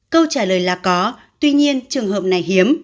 câu trả lời là có tuy nhiên trường hợp này hiếm